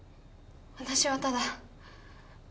私はただ